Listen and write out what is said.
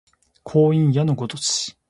光陰矢のごとし